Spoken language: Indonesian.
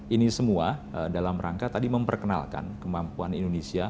ini semua dalam rangka tadi memperkenalkan kemampuan indonesia